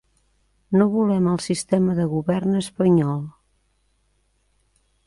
No volem el sistema de govern espanyol.